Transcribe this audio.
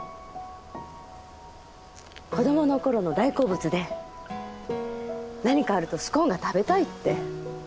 子供のころの大好物で何かあるとスコーンが食べたいって。